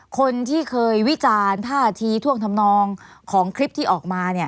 คนที่เคยวิจารณ์ท่าทีท่วงทำนองของคลิปที่ออกมา